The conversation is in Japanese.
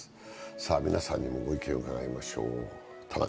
皆さんにもご意見を伺いましょう。